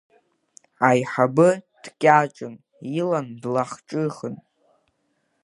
Аиҳабы, дкьаҿын, илан, длахҿыхын.